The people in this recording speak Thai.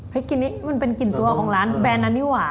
กินนี่มันเป็นกลิ่นตัวของร้านแบรนดนั้นนี่หว่า